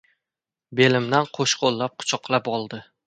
Belimdan qo‘shqo‘llab quchoqlab oldi.